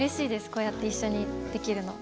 こうやって一緒にできるの。